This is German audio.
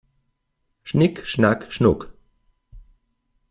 Schnick schnack schnuck!